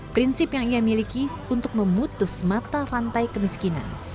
prinsip yang ia miliki untuk memutus mata rantai kemiskinan